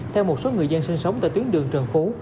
theo một số người dân sinh sống tại tuyến đường trần phú